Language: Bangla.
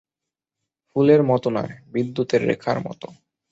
ফুলের মতো নয়, বিদ্যুতের রেখার মতো।